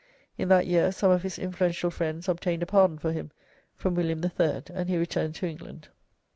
In that year some of his influential friends obtained a pardon for him from William III., and he returned to England.